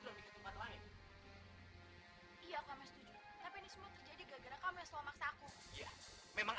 lebih tempat lain iya tapi ini semua terjadi gara gara kamu yang selalu maksa aku memang